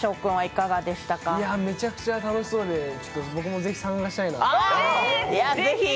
めちゃくちゃ楽しそうで僕も是非参加したいなって。